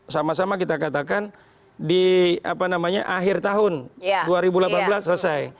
sama sama kita katakan di akhir tahun dua ribu delapan belas selesai